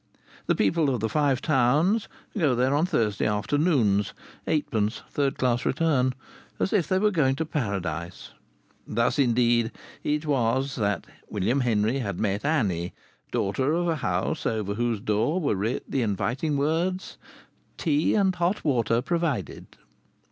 The people of the Five Towns go there on Thursday afternoons (eightpence, third class return), as if they were going to Paradise. Thus, indeed, it was that William Henry had met Annie, daughter of a house over whose door were writ the inviting words, "Tea and Hot Water Provided."